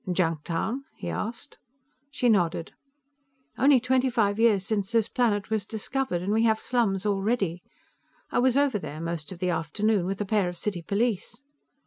"Junktown?" he asked. She nodded. "Only twenty five years since this planet was discovered, and we have slums already. I was over there most of the afternoon, with a pair of city police."